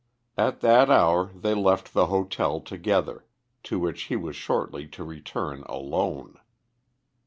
At that hour they left the hotel together, to which he was shortly to return alone.